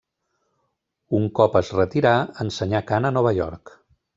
Un cop es retirà, ensenyà cant a Nova York.